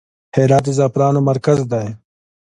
هرات د زعفرانو مرکز دی